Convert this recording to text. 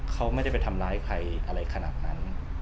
เขาไม่ได้ไปทำร้ายใครอะไรขนาดนั้น